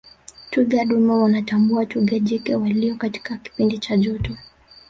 twiga dume wanatambua twiga jike waliyo katika kipindi cha joto